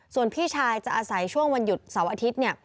ส่วนพี่ชายจะอาศัยช่วงวันหยุดเสาร์อาทิตย์เนี่ย